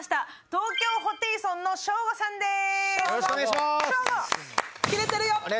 東京ホテイソンのショーゴさんです。